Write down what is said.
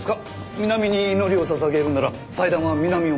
南に祈りを捧げるなら祭壇は南を向いてて。